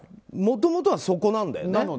もともとはそこなんだよね。